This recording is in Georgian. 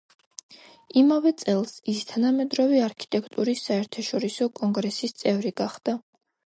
იმავე წელს ის თანამედროვე არქიტექტურის საერთაშორისო კონგრესის წევრი გახდა.